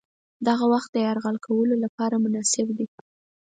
دغه وخت د یرغل کولو لپاره مناسب دی.